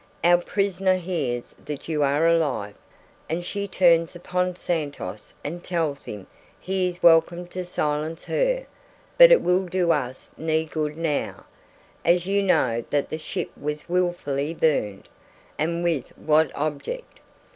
Our prisoner hears that you are alive, and she turns upon Santos and tells him he is welcome to silence her, but it will do us no good now, as you know that the ship was wilfully burned, and with what object.